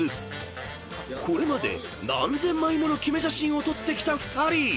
［これまで何千枚ものキメ写真を撮ってきた２人］